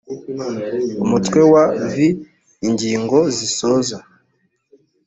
umutwe wa vi ingingo zisoza